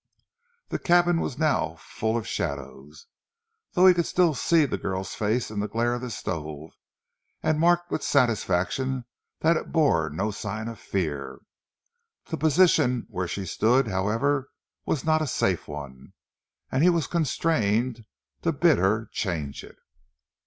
The cabin was now full of shadows, though he could still see the girl's face in the glare of the stove, and marked with satisfaction that it bore no sign of fear. The position where she stood, however, was not a safe one, and he was constrained to bid her change it.